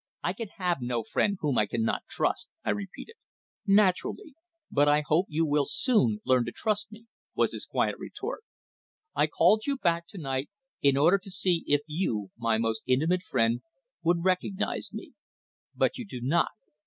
"I can have no friend whom I cannot trust," I repeated. "Naturally. But I hope you will soon learn to trust me," was his quiet retort. "I called you back to night in order to see if you my most intimate friend would recognise me. But you do not.